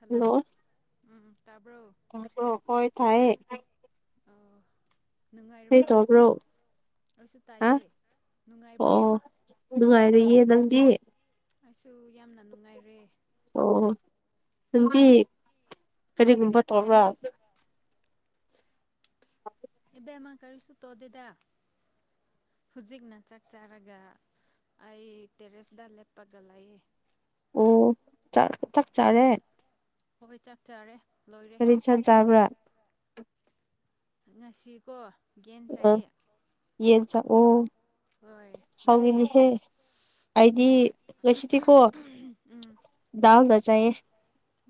hello ꯎꯝ ꯇꯥꯕ꯭ꯔꯣ ꯇꯥꯕ꯭ꯔꯣ ꯍꯣꯏ ꯇꯥꯏꯌꯦ ꯑ ꯀꯔꯤ ꯅꯨꯡꯉꯥꯏꯔꯤꯕ꯭ꯔꯣ ꯇꯧꯕ꯭ꯔꯣ ꯑꯩꯁꯨ ꯍꯥ ꯇꯥꯏꯌꯦ ꯅꯨꯡꯉꯥꯏꯕ꯭ꯔꯣ ꯑꯣ ꯅꯨꯡꯉꯥꯏꯔꯤꯌꯦ ꯅꯪꯗꯤ ꯑꯩꯁꯨ ꯌꯥꯝꯅ ꯅꯨꯡꯉꯥꯏꯔꯦ ꯑꯣ ꯅꯪꯗꯤ ꯀꯔꯤꯒꯨꯝꯕ ꯇꯧꯕ꯭ꯔꯥ ꯏꯕꯦꯝꯃ ꯀꯔꯤꯁꯨ ꯇꯣꯗꯦꯗ ꯍꯧꯖꯤꯛꯅ ꯆꯥꯛ ꯆꯥꯔꯒ ꯑꯩ ꯇꯦꯔꯦꯁꯇ ꯂꯦꯞꯄꯒ ꯂꯩꯌꯦ ꯑꯣ ꯆ ꯆꯥꯛ ꯆꯥꯔꯦ ꯍꯣꯏ ꯆꯥꯛ ꯆꯥꯔꯦ ꯂꯣꯏꯔꯦ ꯀꯔꯤ ꯏꯟꯁꯥꯡ ꯆꯥꯕ꯭ꯔꯥ ꯉꯁꯤꯀꯣ ꯒꯦꯟ ꯑ ꯆꯥꯏꯌꯦ ꯌꯦꯟ ꯆ ꯑꯣ ꯍꯣꯏ ꯅꯟꯗꯤ ꯍꯥꯎꯒꯅꯤꯍꯦ ꯑꯩꯗꯤ ꯍꯣꯏ ꯎꯝ ꯗꯥꯜꯗ ꯆꯥꯏꯌꯦ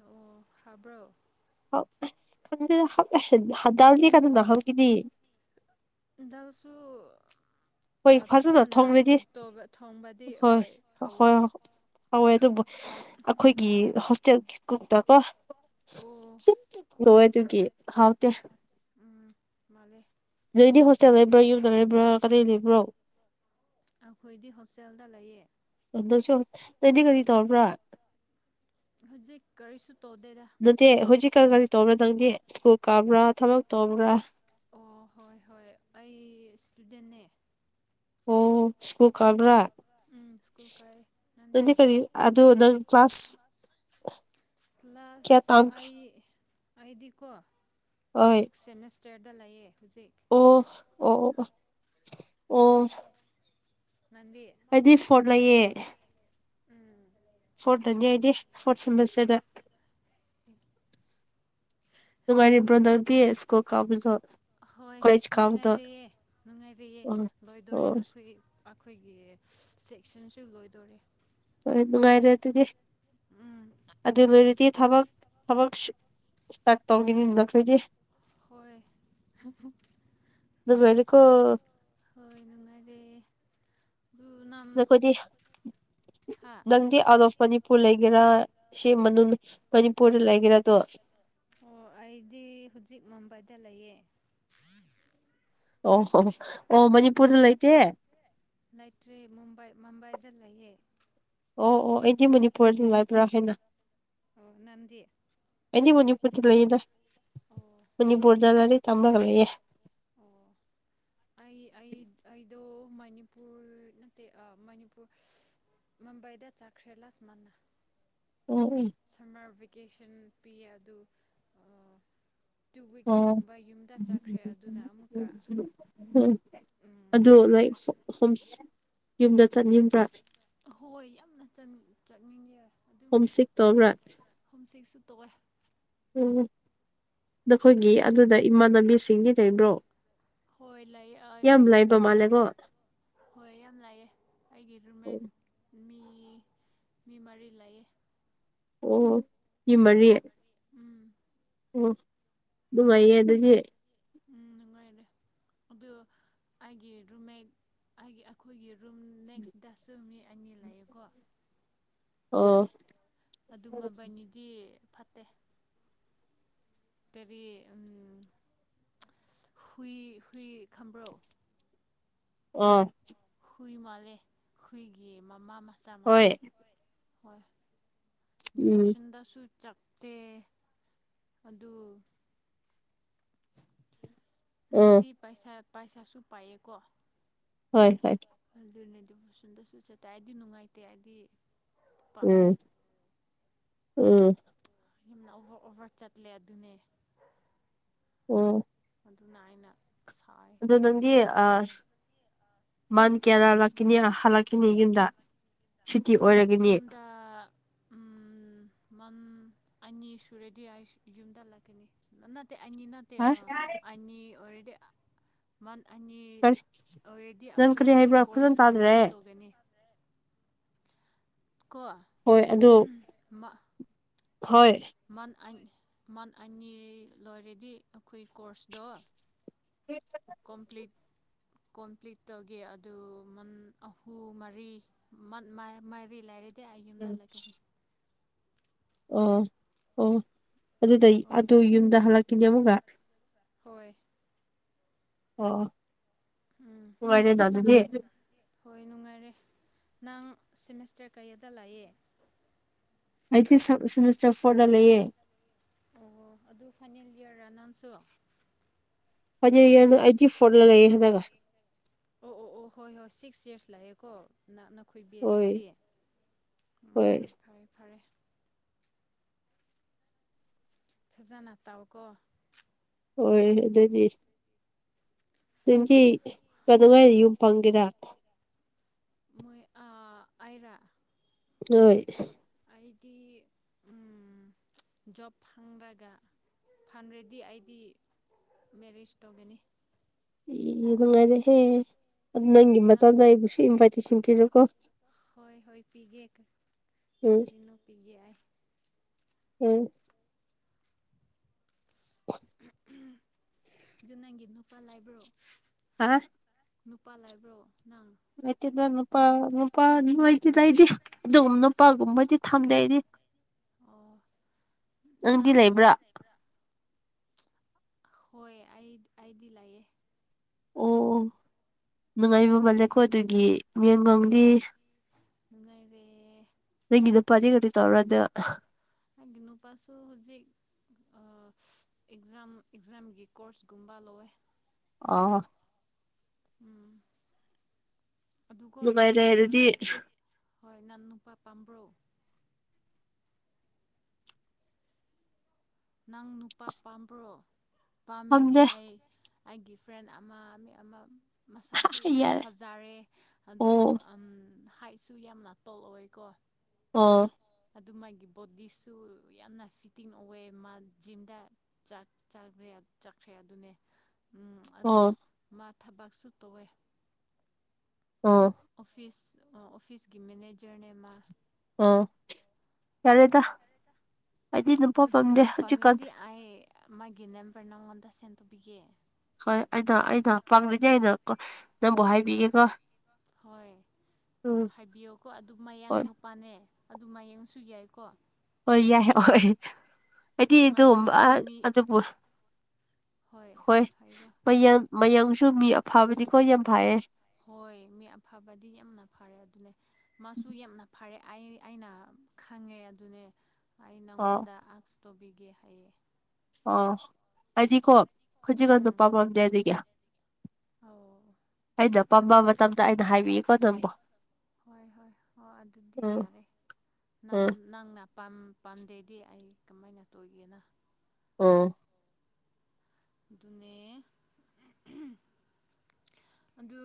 ꯑꯣ ꯍꯥꯎꯕ꯭ꯔꯣ ꯈ ꯈꯪꯗꯦꯗ ꯍꯥꯎꯗꯦ ꯍ ꯗꯜꯗꯤ ꯀꯥꯅꯅ ꯍꯥꯎꯒꯅꯤ ꯗꯜꯁꯨ ꯍꯣꯏ ꯑ ꯐꯖꯅ ꯊꯣꯡꯔꯗꯤ ꯀꯨꯛ ꯇꯧꯕ ꯊꯣꯡꯕꯗꯤ ꯍꯣꯏ ꯍꯧꯋꯦ ꯍꯧꯋꯦ ꯑꯗꯨꯕꯨ ꯑꯈꯣꯏꯒꯤ ꯍꯣꯁꯇꯦꯜꯒꯤ ꯀꯨꯛꯇꯀꯣ ꯑꯣ ꯂꯣꯏ ꯑꯗꯨꯒꯤ ꯍꯥꯎꯇꯦ ꯃꯥꯟꯂꯦ ꯅꯣꯏꯗꯤ ꯍꯣꯁꯇꯦꯜ ꯂꯩꯕ꯭ꯔꯣꯌꯨꯝꯗ ꯂꯩꯕ꯭ꯔꯣ ꯀꯗꯥꯏ ꯂꯩꯕ꯭ꯔꯣ ꯑꯩꯈꯣꯏꯗꯤ ꯍꯣꯁꯇꯦꯜꯗ ꯂꯩꯌꯦ ꯑꯗꯨꯁꯨ ꯅꯣꯏꯗꯤ ꯀꯔꯤ ꯇꯧꯕꯅꯣ ꯍꯧꯖꯤꯛ ꯀꯔꯤꯁꯨ ꯇꯧꯗꯦ ꯅꯠꯇꯦ ꯍꯧꯖꯤꯛꯀꯥꯟ ꯀꯔꯤ ꯇꯧꯕꯅꯣ ꯅꯪꯗꯤ ꯁ꯭ꯀꯨꯜ ꯀꯥꯕ꯭ꯔꯣ ꯊꯕꯛ ꯇꯧꯕ꯭ꯔꯣ ꯑ ꯍꯣꯏ ꯍꯣꯏ ꯑꯩ ꯃꯍꯩꯔꯣꯏ ꯅꯦ ꯑꯣ ꯁ꯭ꯀꯨꯜ ꯀꯥꯕ꯭ꯔꯣ ꯎꯝ ꯁ꯭ꯀꯨꯜ ꯀꯥꯏ ꯅꯪꯗꯤ ꯑꯗꯨꯗꯤ ꯅꯪ ꯀꯂꯥꯁ ꯀꯌꯥ ꯀꯥꯕꯒꯦ ꯀ꯭ꯂ꯭ꯥꯁ ꯑꯩ ꯑꯩꯗꯤꯀꯣ ꯍꯣꯏ ꯁꯤꯛꯁ ꯁꯦꯃꯤꯁꯇꯔꯗ ꯂꯩꯌꯦ ꯍꯧꯖꯤꯛ ꯑꯣ ꯑꯣꯑꯣ ꯑꯣ ꯅꯪꯗꯤ ꯑꯩꯗꯤ ꯅꯠꯇꯦ ꯐꯣꯔꯠ ꯅꯠꯇꯦ ꯂꯩꯌꯦ ꯁꯨꯃꯥꯏ ꯍꯥꯏꯕ ꯑꯩꯅ ꯎꯝ ꯐꯣꯔꯠ ꯇꯅꯦ ꯑꯩꯗꯤ ꯐꯣꯔꯠ ꯁꯦꯃꯦꯁꯇꯔꯗ ꯅꯨꯡꯉꯥꯏꯔꯤꯕꯔꯣ ꯅꯪꯗꯤ ꯏꯁꯀꯨ꯭ꯜ ꯀꯥꯕꯗꯣ ꯑꯍꯣꯏ ꯀꯣꯂꯦꯖ ꯀꯥꯕꯗꯣ ꯅꯨꯡꯉꯥꯏꯔꯤꯌꯦ ꯅꯨꯡꯉꯥꯏꯔꯤꯌꯦ ꯑꯣ ꯂꯣꯏꯗꯣꯔꯦ ꯑꯣ ꯑꯩꯈꯣꯏꯒꯤ ꯑꯈꯣꯏꯒꯤ ꯁꯦꯛꯁꯟꯁꯨ ꯂꯣꯏꯗꯣꯔꯦ ꯍꯣꯏ ꯅꯨꯡꯉꯥꯏꯔꯦ ꯑꯗꯨꯗꯤ ꯍꯨꯝ ꯑꯗꯨ ꯂꯣꯏꯔꯗꯤ ꯊꯕꯛ ꯊꯕꯛ ꯏꯁꯇꯥꯔꯠ ꯇꯧꯒꯅꯤ ꯅꯈꯣꯏꯗꯤ ꯍꯣꯏ ꯍ ꯍꯪ ꯅꯨꯡꯉꯥꯏꯔꯤꯀꯣ ꯍꯣꯏ ꯅꯨꯡꯉꯥꯏꯔꯦ ꯗꯨ ꯅꯝ ꯅꯈꯣꯏꯗꯤ ꯅꯪꯗꯤ ꯑꯥꯎꯠ ꯑꯣꯐ ꯃꯅꯤꯄ ꯄꯨ ꯂꯩꯒꯦꯔꯥ ꯁꯤ ꯃꯅꯨꯡ ꯃꯅꯤꯄꯨꯔꯗ ꯂꯩꯒꯦꯔꯥ ꯑꯗꯣ ꯍꯣ ꯑꯩꯗꯤ ꯍꯧꯖꯤꯛ ꯃꯨꯝꯕꯥꯏꯗ ꯂꯩꯌꯦ ꯑꯣ ꯑꯣꯐ ꯃꯅꯤꯄꯨꯔꯗ ꯂꯩꯇꯦ ꯂꯩꯇ꯭ꯔꯦ ꯃꯨꯝꯕꯥꯏ ꯃꯨꯝꯕꯥꯏꯗ ꯂꯩꯌꯦ ꯑꯣ ꯑꯣ ꯑꯩꯗꯤ ꯃꯅꯤꯄꯨꯔꯗ ꯑꯗꯨꯝ ꯂꯩꯥꯏꯕ꯭ꯔꯥ ꯍꯥꯏꯅ ꯑꯣ ꯅꯝꯗꯤ ꯑꯩꯗꯤ ꯃꯅꯤꯄꯨꯔꯗ ꯂꯩꯌꯦꯗ ꯑꯣ ꯃꯅꯤꯄꯨꯔꯗ ꯂꯩꯔꯤꯛ ꯇꯝꯃꯒ ꯂꯩꯌꯦ ꯑꯣ ꯑꯩ ꯑꯩ ꯑꯩꯗꯣ ꯃꯅꯤꯄꯨꯔ ꯅꯠꯇꯦ ꯑ ꯃꯅꯤꯄꯨꯔ ꯃꯝꯕꯩꯗ ꯆꯥꯠꯈꯔꯦ ꯂꯥꯁ ꯃꯟꯠ ꯑꯣ ꯎꯝ ꯁꯝꯃꯔ ꯚꯦꯀꯦꯁꯟ ꯄꯤꯌꯦ ꯑꯗꯨ ꯑ ꯇꯨ ꯋꯤꯛꯁ ꯑꯣ ꯀꯨꯝꯕ ꯌꯨꯝꯗ ꯆꯠꯈ꯭ꯔꯦ ꯑꯗꯨꯅ ꯑꯃꯨꯛꯀ ꯍꯨꯝ ꯑꯗꯣ ꯂꯥꯏꯔꯛ ꯁꯣꯛ ꯁꯨꯝ ꯌꯨꯝꯗ ꯆꯠꯅꯤꯡꯕ꯭ꯔꯥ ꯑꯍꯣꯏ ꯌꯥꯝꯅ ꯆꯠ ꯆꯠꯅꯤꯡꯉꯦ ꯑꯗꯨꯝ ꯍꯣꯝ ꯁꯤꯛ ꯇꯧꯕ꯭ꯔꯥ ꯍꯨꯝꯁꯤꯛ ꯁꯨ ꯇꯣꯛꯑꯦ ꯍꯨꯝ ꯅꯈꯣꯏꯒꯤ ꯑꯗꯨꯗ ꯏꯃꯥꯟꯅꯕꯤꯁꯤꯡꯗꯤ ꯂꯩꯕ꯭ꯔꯣ ꯍꯣꯏ ꯂꯩ ꯑꯩ ꯌꯥꯝ ꯑꯩꯒꯤ ꯂꯩꯕ ꯔꯨꯝꯃꯦꯠ ꯃꯥꯜꯂꯦꯀꯣ ꯍꯣꯏ ꯌꯥꯝ ꯂꯩꯑꯦ ꯑꯩꯒꯤ ꯔꯨꯝꯃꯦꯠ ꯃꯤ ꯃꯤ ꯃꯔꯤ ꯂꯩꯑꯦ ꯑꯣ ꯌꯤꯃꯔꯤ ꯎꯝ ꯑꯣ ꯅꯨꯡꯉꯥꯏꯌꯦ ꯑꯗꯨꯗꯤ ꯎꯝꯅꯨꯉꯥꯏꯔꯦ ꯑꯗꯨ ꯑꯩꯒꯤ ꯔꯨꯝꯃꯦꯠ ꯑꯩꯒꯤ ꯑꯩꯈꯣꯏꯒꯤ ꯔꯨꯝ ꯅꯦꯛꯁꯗꯁꯨ ꯃꯤ ꯑꯅꯤ ꯂꯩꯑꯦꯀꯣ ꯑꯣ ꯑꯗꯨꯃꯕꯥꯅꯤꯗꯤ ꯐꯠꯇꯦ ꯇꯔꯤ ꯎꯝ ꯍꯨꯏ ꯍꯨꯏ ꯈꯝꯕ꯭ꯔꯣ ꯑ ꯍꯨꯏ ꯃꯥꯜꯂꯦ ꯍꯨꯏꯒꯤ ꯃꯃꯥ ꯃꯆꯥ ꯃꯥꯜꯂꯦ ꯍꯣꯏ ꯍꯣꯏ ꯎꯝ ꯗꯤꯚꯣꯁꯟꯗꯁꯨ ꯆꯥꯛ ꯇꯦ ꯑꯗꯨ ꯎꯝ ꯃꯤꯗꯤ ꯄꯩꯁꯥ ꯄꯩꯁꯥꯁꯨ ꯄꯥꯏꯑꯀꯣ ꯍꯣꯏ ꯍꯣꯏ ꯑꯗꯨꯅꯦꯗꯤꯕꯨꯁꯟꯗꯁꯨ ꯆꯠꯇꯥꯏꯗꯤ ꯅꯨꯡꯉꯥꯏꯇꯦ ꯍꯥꯏꯗꯤ ꯎꯝ ꯎꯝ ꯌꯥꯝꯅ ꯑꯣꯚꯔ ꯑꯣꯚꯔ ꯆꯠꯂꯦ ꯑꯗꯨꯅꯦ ꯑꯣ ꯑꯗꯨꯅ ꯑꯩꯅ ꯁꯥꯏ ꯑꯗꯨ ꯅꯪꯗꯤ ꯑ ꯁꯥꯎꯔꯦ ꯃꯟ ꯀꯌꯥꯂꯛꯈꯤꯅꯤ ꯍꯜꯂꯛꯀꯅꯤ ꯌꯨꯝꯗ ꯁꯨꯇꯤ ꯑꯣꯏꯔꯒꯅꯤ ꯑ ꯎ ꯎ ꯃꯟ ꯑꯅꯤ ꯁꯨꯔꯦꯗꯤ ꯑꯩꯁꯨ ꯌꯨꯝꯗ ꯍꯜꯂꯛꯀꯅꯤ ꯅꯠꯇꯦ ꯑꯅꯤ ꯅꯠꯇꯦ ꯇꯦ ꯍꯥ ꯑ ꯑꯅꯤ ꯑꯣꯏꯔꯗꯤ ꯃꯟ ꯑꯅꯤ ꯀꯔꯤ ꯑꯣꯜꯔꯦꯗꯤ ꯅꯪ ꯀꯔꯤ ꯑꯩꯈꯣꯏꯒꯤ ꯍꯥꯏꯕ꯭ꯔꯥ ꯐꯖꯅ ꯀꯣꯔꯁ ꯇꯥꯗ꯭ꯔꯦ ꯀꯝꯄ꯭ꯂꯤꯠ ꯇꯧꯒꯅꯤ ꯀꯣ ꯍꯣꯏ ꯑꯗꯣ ꯃ ꯍꯣꯏ ꯃꯟ ꯑꯟ ꯃꯟ ꯑꯅꯤ ꯂꯣꯏꯔꯗꯤ ꯑꯩꯈꯣꯏ ꯀꯣꯔꯁꯇꯣ [inaudible] ꯀꯣꯝꯄ꯭ꯂꯤꯠ ꯀꯣꯝꯄ꯭ꯂꯤꯠ ꯇꯧꯒꯦ ꯑꯗꯨꯟ ꯃꯟ ꯑꯍꯨꯝ ꯃꯔꯤ ꯃꯟ ꯃ ꯃꯔꯤ ꯂꯩꯔꯗꯤ ꯑꯩ ꯌꯨꯝꯗ ꯍꯜꯂꯒꯅꯤ ꯑꯣ ꯑꯣ ꯑꯗꯨꯗꯩ ꯍꯣꯏ ꯑꯗꯨ ꯌꯨꯝꯗ ꯍꯜꯂꯛꯈꯤꯅꯦ ꯑꯃꯨꯛꯀ ꯍꯣꯏ ꯑꯣ ꯑꯣ ꯎꯝ ꯅꯨꯉꯥꯏꯔꯦꯗ ꯑꯗꯨꯗꯤ ꯍꯣꯏ ꯅꯨꯡꯉꯥꯏꯔꯦ ꯅꯪ ꯁꯦꯃꯤꯁꯇꯔ ꯀꯩꯌꯥꯗ ꯂꯥꯛꯑꯦ ꯑꯩꯗꯤ ꯁꯦꯝ ꯁꯦꯃꯤꯁꯇꯔ ꯐꯣꯔꯗ ꯂꯩꯌꯦꯦ ꯑꯣ ꯑꯗꯨ ꯐꯥꯏꯅꯦꯜ ꯏꯌꯥꯔ ꯔ ꯅꯝꯁꯨ ꯐꯥꯏꯅꯦꯜ ꯑꯌꯔꯗꯣ ꯑꯩꯇꯤ ꯐꯣꯔꯗ ꯂꯩꯌꯦ ꯍꯟꯗꯛ ꯑꯣ ꯑꯣ ꯑꯣ ꯍꯣꯏ ꯍꯣꯏ ꯁꯤꯛꯁ ꯏꯌꯔꯁ ꯂꯥꯛꯑꯦꯀꯣ ꯅꯛꯅꯈꯣꯏ ꯕꯤꯁ ꯍꯣꯏ ꯁꯤꯗꯤ ꯍꯣꯏ ꯎꯝ ꯐꯔꯦ ꯐꯔꯦ ꯐꯖꯅ ꯇꯥꯎꯀꯣ ꯑꯣꯔꯅꯤ ꯑꯗꯨꯗꯤ ꯅꯦꯋꯇꯤ ꯀꯩꯗꯧꯉꯩ ꯌꯨꯝ ꯐꯥꯟꯒꯦꯔ ꯃꯣꯏ ꯑꯥ ꯑꯩꯔꯥ ꯅꯣꯏ ꯑꯩꯗꯤ ꯎꯝ ꯖꯣꯕ ꯐꯪꯔꯒ ꯐꯟꯔꯗꯤ ꯑꯩꯗꯤ ꯃꯦꯔꯤꯑꯦꯖ ꯇꯧꯒꯅꯤ ꯎꯝ ꯅꯨꯡꯉꯥꯏꯗꯁꯦ ꯍꯣꯏ ꯅꯪ ꯄꯤꯔꯣꯀꯣ ꯍꯣꯏ ꯍꯣꯏ ꯄꯤꯒꯦ ꯀ ꯎꯝ ꯀꯔꯤꯅꯣ ꯄꯤꯒꯦ ꯑꯥꯏ ꯎꯝ ꯑꯗꯨ ꯅꯪꯒꯤ ꯅꯨꯄꯥ ꯂꯥꯏꯕ꯭ꯔꯣ ꯍꯥ ꯅꯨꯄꯥ ꯂꯩꯕ꯭ꯔꯣ ꯅꯪ ꯂꯩꯇꯦꯗꯥ ꯅꯨꯄꯥ ꯅꯨꯄꯥ ꯑꯗꯨ ꯂꯩꯇꯦꯗꯥ ꯑꯩꯗꯤ ꯑꯗꯨꯝꯅꯣ ꯄꯥꯒꯨꯝꯕꯗꯤ ꯊꯝꯗꯦ ꯑꯩꯗꯤ ꯑꯣ ꯅꯪ ꯅꯪꯗꯤ ꯂꯩꯕ꯭ꯔꯥ ꯍꯣꯏ ꯑꯩ ꯑꯩꯗꯤ ꯂꯩꯌꯦ ꯑꯣ ꯅꯨꯡꯉꯥꯏꯕ ꯑꯃ ꯂꯩꯈꯣ ꯑꯗꯨꯒꯤ ꯃꯤꯡꯉꯪꯗꯤ ꯍꯣꯏ ꯅꯨꯡꯉꯥꯏꯔꯦ ꯅꯪꯒꯤ ꯅꯨꯄꯥꯗꯤ ꯀꯗꯤ ꯇꯧꯔꯔꯣꯏꯗ꯭ꯔꯣ ꯅꯪꯒꯤ ꯅꯨꯄꯥꯁꯨ ꯍꯨꯖꯤꯛ ꯑ ꯑꯦꯛꯖꯥꯝ ꯑꯦꯛꯖꯥꯝꯒꯤ ꯀꯣꯔꯁꯀꯨꯝꯕ ꯂꯧꯋꯦ ꯑꯣꯍꯣ ꯎꯝ ꯑꯗꯨꯀꯣ ꯅꯪ ꯅꯨꯡꯉꯥꯏꯔꯦ ꯑꯗꯨꯗꯤ ꯍꯣꯏ ꯅꯟ ꯅꯨꯄꯥ ꯄꯥꯝꯕ꯭ꯔꯣ ꯅꯪ ꯅꯨꯄꯥ ꯄꯥꯝꯕ꯭ꯔꯣ ꯄꯥꯝꯃꯦꯗꯤ ꯐꯝꯗꯦ ꯑꯩ ꯑꯩꯒꯤ ꯐ꯭ꯔꯦꯟ ꯑꯃ ꯃꯤ ꯑꯃ ꯃꯁꯥꯁꯨ ꯌꯥꯝꯅ ꯌꯥꯔꯦ ꯐꯖꯔꯦ ꯑꯗꯨ ꯑꯣ ꯎꯝ ꯍꯥꯏꯠꯁꯨ ꯁꯨ ꯌꯥꯝꯅ ꯇꯣꯜ ꯑꯣꯏꯀꯣ ꯑꯣ ꯑꯗꯨ ꯃꯥꯒꯤ ꯕꯣꯗꯤꯁꯨ ꯌꯥꯝꯅ ꯐꯤꯠꯇꯤꯡ ꯑꯣꯏꯑꯦ ꯃꯥ ꯖꯤꯝꯗ ꯆꯥꯛ ꯆꯥꯕꯌꯥ ꯆꯠꯈ꯭ꯔꯦ ꯑꯗꯨꯅꯦ ꯎꯝ ꯑꯗꯨ ꯑꯣ ꯃꯥ ꯊꯕꯛꯁꯨ ꯇꯧꯋꯦ ꯑꯣ ꯑꯣꯐꯤꯁ ꯑ ꯑꯣꯐꯤꯁꯀꯤ ꯃꯦꯅꯦꯖꯔꯅꯦ ꯃꯥ ꯑꯥ ꯇꯜꯂꯦꯗꯥ ꯑꯩꯗꯤ ꯅꯨꯄꯥ ꯑꯗꯨ ꯄꯥꯝꯗꯦ ꯅꯪ ꯍꯧꯖꯤꯛꯀꯥꯟ ꯄꯥꯝꯃꯦꯗꯤ ꯑꯩ ꯃꯥꯒꯤ ꯅꯦꯝꯕꯔ ꯅꯪꯉꯣꯟꯗ ꯁꯦꯟꯊꯣꯛꯄꯤꯒꯦ ꯍꯣꯏ ꯑꯩꯅ ꯑꯩꯅ ꯄꯪꯂꯤꯖꯦ ꯑꯩꯅ ꯀꯣ ꯅꯪꯕꯨ ꯍꯥꯏꯕꯤꯒꯦꯀꯣ ꯍꯣꯏ ꯎꯝ ꯍꯥꯏꯕꯤꯌꯣ ꯀꯣ ꯑꯗꯨ ꯃꯌꯥꯡ ꯍꯣꯏ ꯅꯨꯄꯥꯅꯦ ꯑꯗꯨ ꯃꯌꯥꯡꯁꯨ ꯌꯥꯏꯀꯣ ꯍꯣꯏ ꯌꯥꯏ ꯍꯣꯏ ꯑꯩꯗꯤ ꯑꯗꯨꯝꯕ ꯃꯌꯥꯡꯁꯨ ꯑ ꯃꯤ ꯑꯗꯨꯕꯨ ꯍꯣꯏ ꯃꯌꯥꯡ ꯃꯌꯥꯡꯁꯨ ꯃꯤ ꯑꯐꯕꯗꯤꯀꯣ ꯌꯥꯝ ꯐꯩꯌꯦ ꯍꯣꯏ ꯃꯤ ꯑꯐꯕꯗꯤ ꯌꯥꯝꯅ ꯐꯔꯦ ꯑꯗꯨꯅꯦ ꯃꯥꯁꯨ ꯌꯥꯝꯅ ꯐꯔꯦ ꯑꯩ ꯑꯩꯅ ꯈꯪꯉꯦ ꯑꯗꯨꯅꯦ ꯑꯩ ꯑꯣ ꯅꯪꯉꯣꯟꯗ ꯑꯛꯁ ꯇꯧꯕꯤꯒꯦ ꯍꯥꯏꯌꯦ ꯑꯣ ꯑꯩꯗꯤꯀꯣ ꯍꯧꯖꯤꯛꯒꯥꯟꯗ ꯄꯥꯝꯃꯝꯗꯦ ꯑꯗꯨꯒꯤ ꯍꯧꯖꯤꯛꯅ ꯑꯩꯅ ꯄꯥꯝꯕ ꯃꯇꯝꯗ ꯑꯩꯅ ꯍꯥꯏꯕꯤꯀꯣ ꯅꯪꯕꯨ ꯃꯇꯝꯗ ꯑꯩꯅ ꯍꯥꯏꯕꯤꯀꯣ ꯍꯣꯏ ꯍꯣꯏ ꯍꯣꯏ ꯑꯗꯨꯗꯤ ꯎꯝ ꯌꯥꯔꯦ ꯅ ꯎꯝ ꯅꯪꯅ ꯄꯥꯝ ꯄꯥꯝꯗꯦꯗꯤ ꯑꯩ ꯀꯃꯥꯏꯅ ꯇꯧꯒꯦꯅ ꯑꯣ ꯑꯗꯨꯅꯦ [inaudible] ꯑꯗꯨ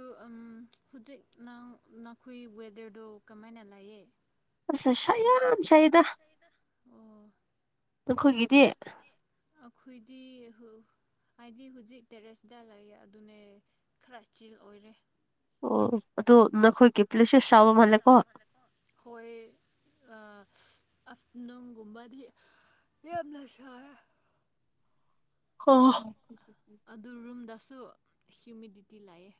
ꯍꯧꯖꯤꯛ ꯅꯪ ꯅꯈꯣꯏ ꯋꯦꯗꯔꯗꯣ ꯀꯃꯥꯏꯅ ꯂꯩꯌꯦ ꯑꯁ ꯅꯨꯡꯁꯥ ꯌꯥꯝ ꯁꯥꯏꯗ ꯑꯣ ꯅꯈꯣꯏꯒꯤꯗꯤ ꯑꯈꯣꯏꯗꯤ ꯍꯨ ꯍꯥꯏꯗꯤ ꯍꯧꯖꯤꯛ ꯇꯦꯔꯦꯁꯇ ꯂꯩꯌꯦ ꯑꯗꯨꯅꯦ ꯈꯔ ꯆꯤꯜ ꯑꯣꯏꯔꯦ ꯑꯣ ꯑꯗꯨ ꯅꯈꯣꯏꯒꯤ ꯄ꯭ꯂꯦꯁꯦꯁ ꯆꯥꯎꯕ ꯃꯥꯜꯂꯦꯀꯣ ꯍꯣꯏ ꯑ ꯑꯁ ꯅꯨꯡꯒꯨꯝꯕꯗꯤ [unintelligible] ꯍꯣ ꯑꯗꯨ ꯔꯨꯝꯗꯁꯨ ꯍ꯭ꯌꯨꯃꯤꯗꯤꯇꯤ ꯂꯥꯏꯑꯦ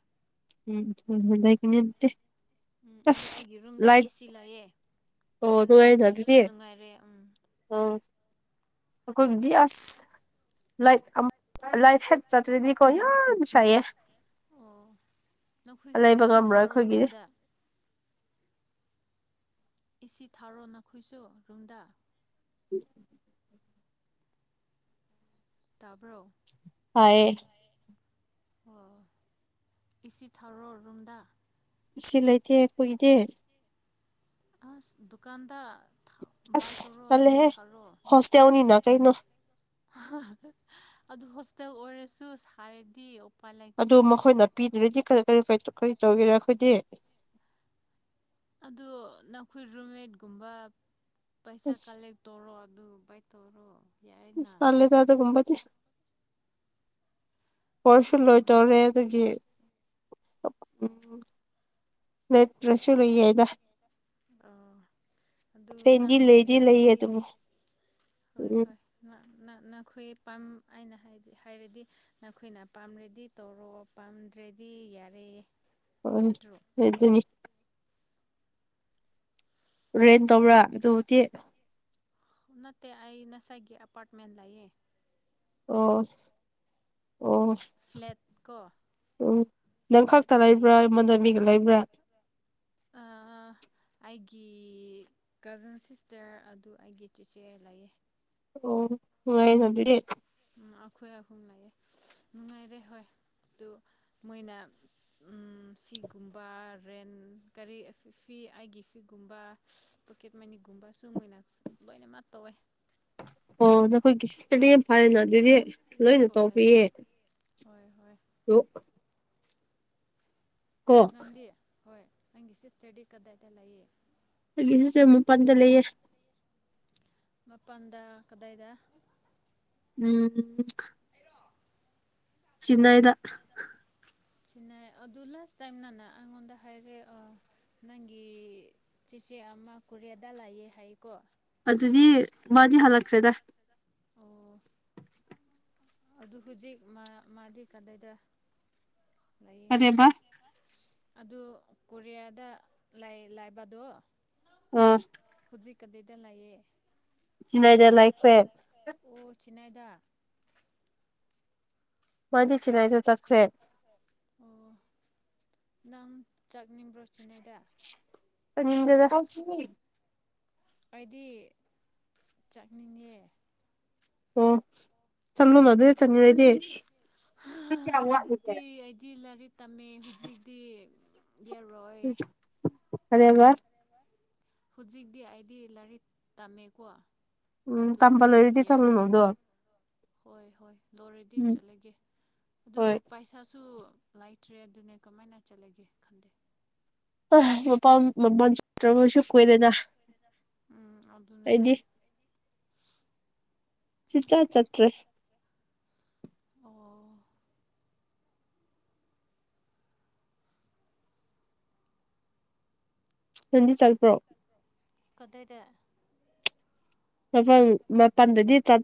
ꯎꯝ [unintelligible] ꯎꯝ ꯑꯗꯣ ꯑꯁ ꯑꯩꯒꯤ ꯔꯨꯝꯗ ꯂꯥꯏꯠ ꯑꯦꯁꯤ ꯂꯩꯌꯦ ꯑꯣ ꯑꯗꯨꯅꯦ ꯅꯨꯡꯉꯥꯏꯔꯦ ꯎꯝ ꯎ ꯑꯩꯈꯣꯏꯗꯤ ꯑꯁ ꯂꯥꯏꯠ ꯂꯥꯏꯠ ꯍꯦꯛ ꯆꯠꯇ꯭ꯔꯗꯤꯀꯣ ꯌꯥꯝ ꯁꯥꯏꯌꯦ ꯑꯣ ꯅꯈꯣꯏꯁꯨ ꯂꯩꯕ ꯑꯦꯁꯤ ꯉꯝꯔꯣꯏ ꯊꯥꯔꯣ ꯑꯩꯈꯣꯏꯒꯤꯗꯤ ꯔꯨꯝꯗ ꯑꯦꯁꯤ ꯊꯥꯔꯣ ꯅꯈꯣꯏꯁꯨ ꯔꯨꯝꯗ ꯎꯝ [unintelligible] ꯇꯥꯕ꯭ꯔꯣ ꯇꯥꯏꯌꯦ ꯑꯣ ꯑꯦꯁꯤ ꯊꯥꯔꯣ ꯔꯨꯝꯗꯥ ꯁꯤ ꯂꯩꯇꯦ ꯑꯈꯣꯏꯒꯤꯗꯤ ꯑꯁ ꯗꯨꯀꯥꯟꯗ ꯕꯥꯏ ꯑꯁ ꯇꯧꯔꯣ ꯑꯗꯨ ꯇꯜꯂꯦꯍꯦ ꯊꯥꯔꯣ ꯍꯣꯁꯇꯦꯜꯅꯤꯅ ꯀꯩꯅꯣ ꯑꯗꯨ ꯍꯣꯁꯇꯦꯜ ꯑꯣꯏꯔꯁꯨ ꯁꯥꯏꯔꯗꯤ ꯑꯗꯨ ꯃꯈꯣꯏꯅ ꯄꯤꯗ꯭ꯔꯗꯤ ꯀꯔꯤ ꯀꯔꯤ ꯇꯧꯒꯦꯔꯦ ꯑꯩꯈꯣꯏꯗꯤ ꯑꯗꯨ ꯅꯈꯣꯏ ꯔꯨꯝꯃꯦꯠꯀꯨꯝꯕ ꯄꯩꯁꯥ ꯑꯁ ꯀꯂꯦꯛ ꯇꯧꯔꯣ ꯑꯗꯨ ꯕꯥꯥꯏ ꯇꯧꯔꯣ ꯌꯥꯏꯅ ꯑꯁ ꯇꯜꯂꯤꯗ ꯑꯗꯨꯒꯨꯝꯕꯗꯤ ꯄꯔꯁꯨ ꯑꯣ ꯂꯣꯏ ꯇꯧꯔꯦ ꯑꯗꯨꯒꯤ ꯎꯝ [unintelligible] ꯑꯣ ꯑꯗꯨ ꯐꯦꯟꯗꯤ ꯅꯪꯅ ꯂꯩꯗꯤ ꯂꯩꯌꯦ ꯌꯥꯔꯗꯤ ꯑꯗꯨꯕꯨ ꯍꯣꯏ ꯎꯝ ꯍꯣꯏ ꯅꯈꯣꯏ ꯄꯥꯝ ꯑꯩꯅ ꯍꯥꯏꯔꯗꯤ ꯅꯈꯣꯏꯅ ꯄꯥꯝꯔꯗꯤ ꯇꯧꯔꯣ ꯄꯥꯝꯗ꯭ꯔꯦꯗꯤ ꯌꯥꯔꯦ ꯍꯣꯏ ꯑꯗꯨ ꯅꯠꯇ꯭ꯔꯣ ꯑꯗꯨꯅꯤ ꯔꯦꯟ ꯇꯧꯕ꯭ꯔꯥ ꯗꯨꯝꯇꯤ ꯅꯠꯇꯦ ꯑꯩ ꯉꯁꯥꯏꯒꯤ ꯑꯦꯄꯥꯔꯠꯃꯦꯟ ꯂꯩꯌꯦ ꯑꯣ ꯑꯣ ꯐ꯭ꯂꯦꯠ ꯀꯣ ꯎꯝ ꯅꯪ ꯐ꯭ꯂꯦꯠ ꯈꯛꯇ ꯂꯩꯕ꯭ꯔꯥ ꯂꯩꯌꯦ ꯑꯩꯉꯣꯟꯗ ꯃꯤꯒ ꯂꯩꯕ꯭ꯔꯥ ꯑꯥ ꯑꯥ ꯑꯩꯒꯤ ꯀꯖꯤꯟ ꯁꯤꯁꯇꯔ ꯑꯗꯨ ꯑꯩꯒꯤ ꯆꯦꯆꯦ ꯂꯩꯌꯦ ꯑꯣ ꯅꯨꯡꯉꯥꯏꯅꯕꯤ ꯎꯝ ꯑꯈꯣꯏ ꯑꯍꯨꯝ ꯂꯩꯌꯦ ꯅꯨꯡꯉꯥꯏꯔꯦ ꯍꯣꯏ ꯑꯗꯨ ꯃꯣꯏꯅ ꯎꯝ ꯁꯤꯒꯨꯝꯕ ꯔꯦꯟ ꯀ꯭ꯔꯤ ꯐꯤ ꯑꯩꯒꯤ ꯐꯤꯒꯨꯝꯕ ꯄꯣꯀꯦꯠ ꯃꯅꯤꯒꯨꯝꯕ ꯁꯨ ꯃꯣꯏꯅ ꯂꯣꯏꯅꯃꯛ ꯇꯧꯋꯦ ꯑꯣ ꯅꯈꯣꯏꯒꯤ ꯁꯤꯁꯇ꯭ꯔꯗꯤ ꯌꯥꯝ ꯐꯔꯦꯅ ꯑꯗꯨꯗꯤ ꯂꯣꯏꯅ ꯍꯣꯏ ꯇꯧꯕꯤꯌꯦ ꯍꯣꯏ ꯍꯣꯏ [unintelligible] ꯀꯣ ꯅꯪꯗꯤ ꯍꯣꯏ ꯅꯪꯒꯤ ꯁꯤꯁꯇ꯭ꯔꯗꯤ ꯀꯗꯥꯏꯗ ꯂꯩꯌꯦ ꯑꯩꯒꯤ ꯁꯤꯁꯇ꯭ꯔ ꯃꯄꯥꯟꯗ ꯂꯩꯌꯦ ꯃꯄꯥꯟꯗ ꯀꯗꯥꯏꯗ ꯎꯝ ꯑꯩꯔꯣ ꯆꯤꯅꯩꯗ ꯆꯤꯅꯥꯏ ꯑꯗꯨ ꯂꯥꯁ ꯇꯥꯏꯝ ꯅꯪꯅ ꯑꯩꯉꯣꯟꯗ ꯍꯥꯏꯔꯦ ꯑꯥ ꯅꯪꯒꯤ ꯆꯦꯆꯦ ꯑꯃ ꯀꯣꯔꯤꯌꯥꯗ ꯂꯩꯌꯦ ꯍꯥꯏꯀꯣ ꯑꯗꯨꯗꯤ ꯃꯥꯗꯤ ꯍꯜꯂꯛꯈ꯭ꯔꯦꯗ [unintelligible] ꯑꯣ ꯑꯗꯨ ꯍꯧꯖꯤꯛ ꯃꯥ ꯃꯥꯗꯤ ꯀꯗꯥꯏꯗ ꯂꯩꯌꯦ ꯀꯔꯤꯕ ꯑꯗꯨ ꯀꯣꯔꯤꯌꯥꯗ ꯂꯩ ꯂꯥꯏꯕꯗꯣ ꯑꯥ ꯍꯧꯖꯤꯛ ꯀꯗꯥꯏꯗ ꯂꯩꯌꯦ ꯆꯤꯟꯅꯥꯏꯗ ꯂꯩꯈ꯭ꯔꯦ ꯆꯤꯅꯥꯏꯗ ꯂꯩꯌꯦ ꯑꯣ ꯆꯤꯅꯥꯏꯗ ꯃꯥꯗꯤ ꯆꯤꯅꯥꯥꯏꯗ ꯆꯠꯈ꯭ꯔꯦ ꯑꯣ ꯅꯪ ꯆꯛꯅꯤꯡꯕ꯭ꯔꯣ ꯆꯤꯅꯥꯏꯗ ꯆꯠꯅꯤꯡꯗꯦꯗ ꯀꯥꯏꯗꯤ ꯆꯛꯅꯤꯡꯉꯦ ꯑꯣ ꯍꯥ ꯑꯗꯨꯗꯤ ꯑꯩꯗꯤ ꯂꯥꯏꯔꯤꯛ ꯇꯝꯃꯦ ꯍꯨꯖꯤꯛꯗꯤ ꯌꯥꯔꯣꯏ ꯀꯔꯤ ꯍꯥꯏꯕ ꯍꯨꯖꯤꯛꯗꯤ ꯑꯩꯗꯤ ꯂꯥꯏꯔꯤꯛ ꯇꯝꯃꯦꯀꯣ ꯎꯝ ꯇꯝꯕ ꯑꯗꯨꯅ ꯂꯣꯏꯔꯗꯤ ꯆꯠꯂꯨꯅꯣ ꯌꯥꯔꯣꯏ ꯑꯗꯣ ꯍꯣꯏ ꯍꯣꯏ ꯂꯣꯏꯔꯗꯤ ꯎꯝ ꯆꯠꯂꯒꯦ ꯑꯗꯨ ꯍꯣꯏ ꯄꯥꯏꯁ ꯄꯩꯁꯥꯁꯨ ꯂꯩꯥꯇ꯭ꯔꯦ ꯑꯗꯨꯅꯦ ꯀꯃꯥꯏꯅ ꯆꯠꯂꯒꯦ ꯈꯪꯗꯦ ꯍꯥꯏ ꯃꯄꯥꯝ ꯃꯄꯥꯟ ꯆꯠꯀ꯭ꯔꯥꯕꯁꯨ ꯀꯨꯢꯔꯦꯗ ꯎꯝ ꯑꯗꯨ ꯑꯗꯨꯅꯦ ꯁꯨꯆꯠ ꯆꯠꯇ꯭ꯔꯦ ꯑꯣ ꯅꯪꯗꯤ ꯆꯠꯄ꯭ꯔꯣ ꯀꯗꯥꯏꯗ ꯃꯐꯝ ꯃꯥꯄꯜꯗꯗꯤ ꯆꯠ